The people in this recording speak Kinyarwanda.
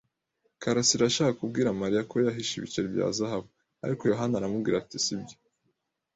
karasira yashakaga kubwira Mariya aho yahishe ibiceri bya zahabu, ariko Yohana aramubwira ati sibyo.